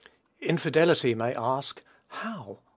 Infidelity may ask, "How?